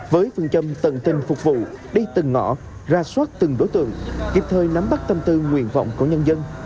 với phương châm tận tình phục vụ đi từng ngõ ra soát từng đối tượng kịp thời nắm bắt tâm tư nguyện vọng của nhân dân